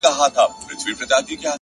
د زړه سکون له سم نیت راټوکېږي.!